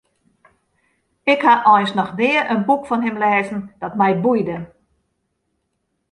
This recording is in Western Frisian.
Ik ha eins noch nea in boek fan him lêzen dat my boeide.